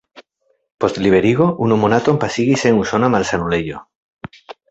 Post liberigo unu monaton pasigis en usona malsanulejo.